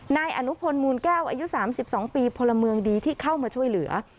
นายอนุพลมูลแก้วอายุ๓๒ปีพลเมืองดีที่เข้ามาช่วยเหลือ